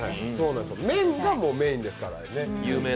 麺がメーンですからね。